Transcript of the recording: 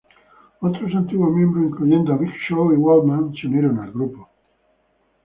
Otros antiguos miembros, incluyendo a Big Show y Waltman, se unieron al grupo.